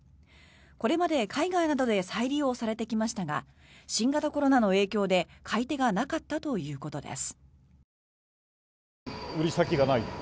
これまで、海外などで再利用されてきましたが新型コロナの影響で買い手がなかったということです。